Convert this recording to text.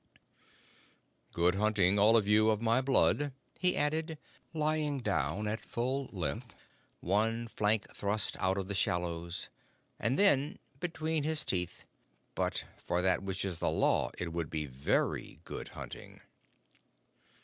"Good hunting, all you of my blood," he added, lying down at full length, one flank thrust out of the shallows; and then, between his teeth, "But for that which is the Law it would be very good hunting."